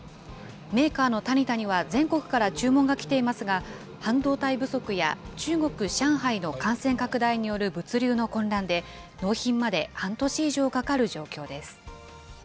メーカーのタニタには、全国から注文が来ていますが、半導体不足や中国・上海の感染拡大による物流の混乱で、納品まで半年以上かかる状況です。